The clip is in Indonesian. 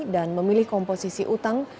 dan memilih komposisi utang